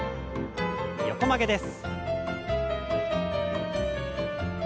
横曲げです。